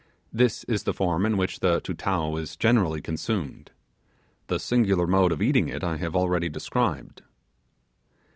This is the form in which the 'Tutao' is generally consumed. The singular mode of eating it I have already described.